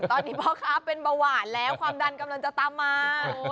ตอนนี้พ่อค้าเป็นเบาหวานแล้วความดันกำลังจะตามมา